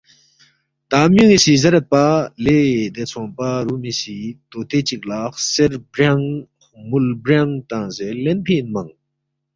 تا میُون٘ی سی زیریدپا، لے دے ژھونگپا رُومی سی طوطے چِک لہ خسیر بریانگ خمُول بریانگ تنگسے لینفی اِنمنگ